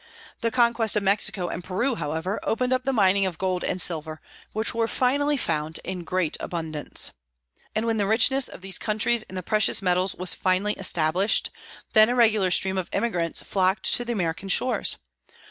The conquest of Mexico and Peru, however, opened up the mining of gold and silver, which were finally found in great abundance. And when the richness of these countries in the precious metals was finally established, then a regular stream of emigrants flocked to the American shores.